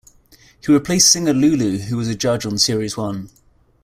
He replaced singer Lulu, who was a judge on series one.